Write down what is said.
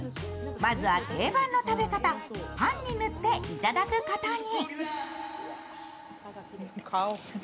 まずは定番の食べ方、パンに塗っていただくことに。